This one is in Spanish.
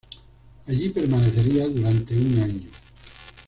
Allí permanecería durante un año.